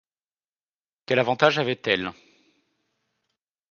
Quel avantage avait-elle ?